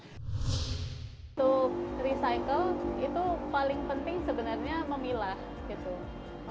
untuk recycle itu paling penting sebenarnya memilah gitu